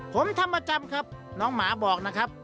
ผมทำประจำครับน้องหมาบอกนะครับ